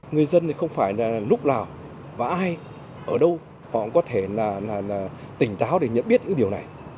người dân thì không phải là lúc nào và ai ở đâu họ cũng có thể là tỉnh táo để nhận biết những điều này